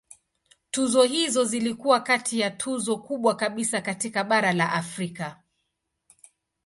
Tuzo hizo zilikuwa kati ya tuzo kubwa kabisa katika bara la Afrika.